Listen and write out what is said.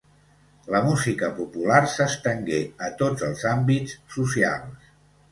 La música popular s'estengué a tots els àmbits socials.